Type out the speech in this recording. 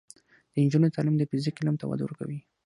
د نجونو تعلیم د فزیک علم ته وده ورکوي.